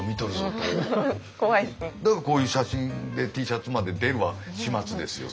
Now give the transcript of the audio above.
だからこういう写真でＴシャツまで出る始末ですよ